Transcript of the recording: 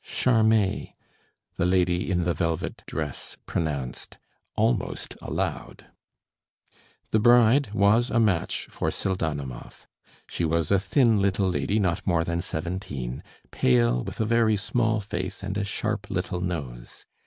"Charmé," the lady in the velvet dress pronounced, almost aloud. The bride was a match for Pseldonimov. She was a thin little lady not more than seventeen, pale, with a very small face and a sharp little nose.